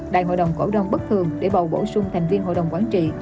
đại hội đồng cổ đồng bất thường để bầu bổ sung thành viên hội đồng quản trị